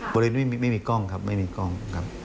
บริเวณนี้ไม่มีกล้องครับไม่มีกล้องครับ